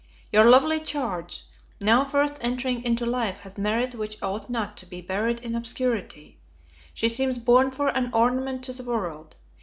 Your lovely charge, now first entering into life, has merit which ought not to be buried in obscurity. She seems born for an ornament to the world.